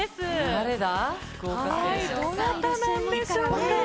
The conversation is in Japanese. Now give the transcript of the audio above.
誰だ？